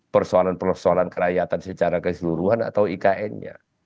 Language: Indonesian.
persoalan persoalan kerakyatan secara keseluruhan atau ikn nya